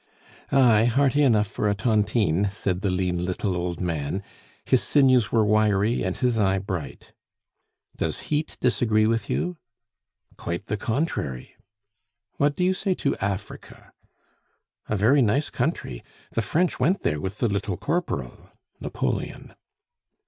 "Ay, hearty enough for a tontine," said the lean little old man; his sinews were wiry, and his eye bright. "Does heat disagree with you?" "Quite the contrary." "What do you say to Africa?" "A very nice country! The French went there with the little Corporal" (Napoleon).